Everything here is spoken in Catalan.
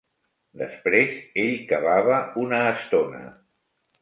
Després ell cavava una estona